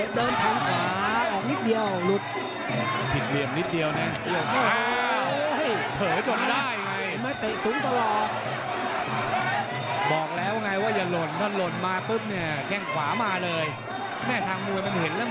น้ำเงินได้แทงแหลมแต่โดนกระตุกลม